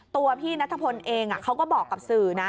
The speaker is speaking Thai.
ตัวพี่นัทพลเองเขาก็บอกกับสื่อนะ